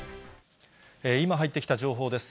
今入ってきた情報です。